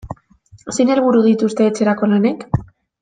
Zein helburu dituzte etxerako lanek?